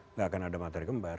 nggak akan ada matahari kembar